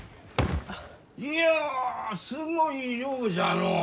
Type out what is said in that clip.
いやすごい量じゃのう！